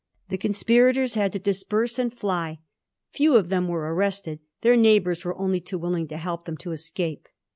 The conspirators had to disperse and fly; few of them were arrested; their neighbom s were only too willing to help them to escape.